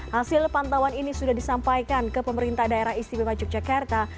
hasil pantauan ini sudah disampaikan ke pemerintah daerah istimewa yogyakarta